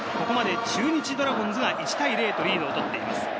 中日ドラゴンズが１対０とリードを取っています。